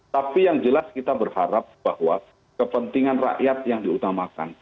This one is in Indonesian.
tapi yang jelas kita berharap bahwa kepentingan rakyat yang diutamakan